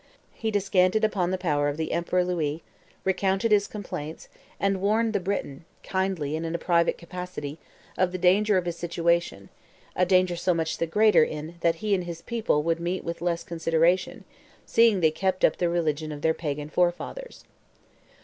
He descanted upon the power of the Emperor Lotus, recounted his complaints, and warned the Briton, kindly and in a private capacity, of the danger of his situation, a danger so much the greater in that he and his people would meet with the less consideration, seeing that they kept up the religion of their Pagan forefathers.